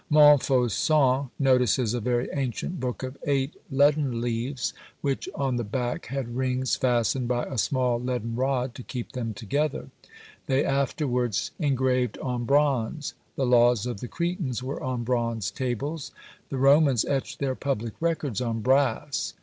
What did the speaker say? Montfaucon notices a very ancient book of eight leaden leaves, which on the back had rings fastened by a small leaden rod to keep them together. They afterwards engraved on bronze: the laws of the Cretans were on bronze tables; the Romans etched their public records on brass.